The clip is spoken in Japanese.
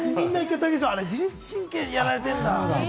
あれ自律神経にやられているんだ。